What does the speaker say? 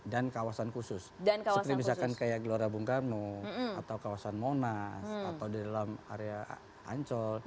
dan kawasan khusus dan kawasan khusus seperti misalkan kayak gelora bung karno atau kawasan monas atau di dalam area ancol